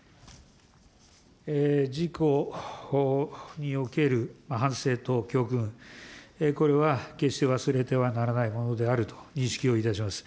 事故における反省と教訓、これは決して忘れてはならないものであると認識をいたします。